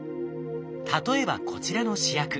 例えばこちらの試薬。